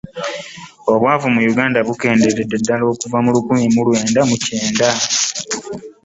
Obwavu mu Uganda bukendeeredde ddala okuva mu lukumi mu lwenda kyenda.